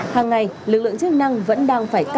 hàng ngày lực lượng chức năng vẫn đang phải cắt